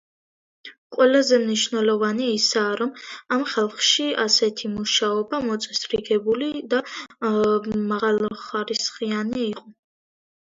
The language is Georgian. ყველაზე მნიშვნელოვანი ისაა, რომ ამ ხალხში ასეთი მუშაობა მოწესრიგებული და მაღალხარისხიანი იყო.